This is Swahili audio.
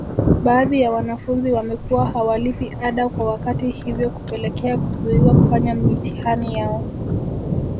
Baadhi ya wanafunzi wamekuwa hawalipi ada kwa wakati hivyo kupelekea kuzuiwa kufanya mitihani yao